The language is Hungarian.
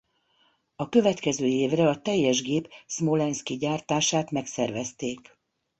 A következő évre a teljes gép szmolenszki gyártását megszervezték.